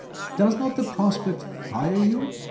Does not the prospect fire you?